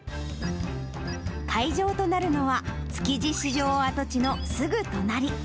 会場となるのは、築地市場跡地のすぐ隣。